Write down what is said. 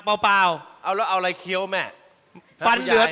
เอาแล้วเอาอะไรเขี้ยวแม่